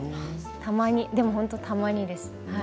たまに、でも本当にたまにです。